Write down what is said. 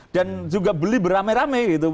dan juga beli berame rame gitu